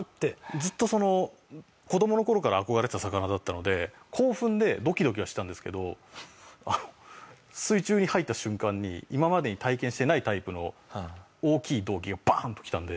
ずっとその子どもの頃から憧れてた魚だったので興奮でドキドキはしてたんですけど水中に入った瞬間に今までに体験してないタイプの大きい動悸がバーン！ときたんで。